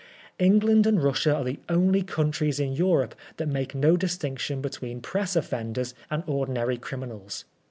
England and Russia are the only countries in Europe that make no distinction between press offenders and ordinal^ criminals.